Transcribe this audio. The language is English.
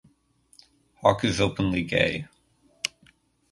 Hawk is openly gay.